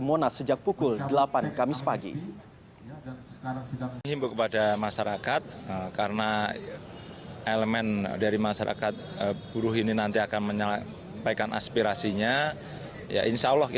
monas sejak pukul delapan kamis pagi